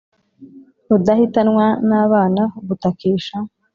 Rudahitanwa n’ abana gutakisha